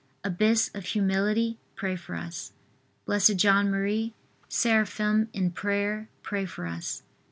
abyss of humility, pray for us. B. J. M., seraphim in prayer, pray for us.